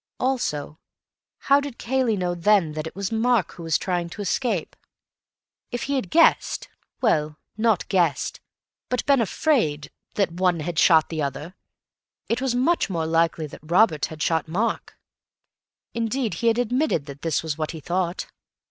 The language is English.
_ Also, how did Cayley know then that it was Mark who was trying to escape? If he had guessed—well, not guessed, but been afraid—that one had shot the other, it was much more likely that Robert had shot Mark. Indeed, he had admitted that this was what he thought.